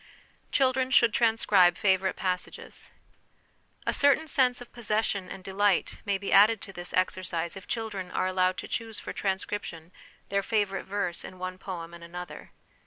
Children should Transcribe favourite Pass ages. A certain sense of possession and delight may be added to this exercise if children are allowed to choose for transcription their favourite verse in one poem and another.